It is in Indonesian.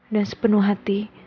dan sepenuh hati